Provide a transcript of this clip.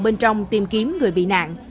bên trong tìm kiếm người bị nạn